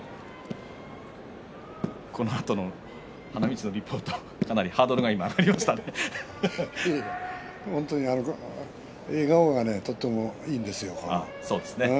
このあとの花道のリポートのハードルが翔猿は笑顔がとってもいいんですよ。